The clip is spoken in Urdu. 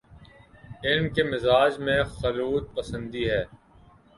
علم کے مزاج میں خلوت پسندی ہے۔